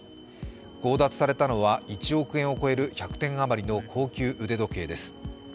強奪されたのは１億円を超える１００点あまりの高級腕時計です。